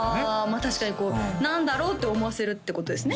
確かに何だろう？って思わせるってことですね